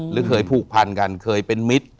หรือเคยผูกพันกันเคยเป็นมิตร